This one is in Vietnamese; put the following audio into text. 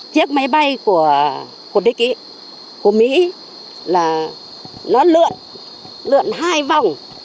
chiếc máy bay của đức ý của mỹ nó lượn lượn hai vòng